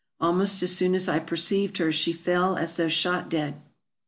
Almost as soon as I perceived her she fell as though shot dead.